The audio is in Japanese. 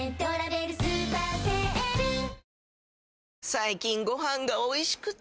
最近ご飯がおいしくて！